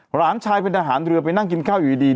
หลานชายเป็นทหารเรือไปนั่งกินข้าวอยู่ดี